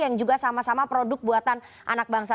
yang juga sama sama produk buatan anak bangsa